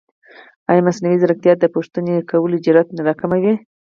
ایا مصنوعي ځیرکتیا د پوښتنې کولو جرئت نه راکموي؟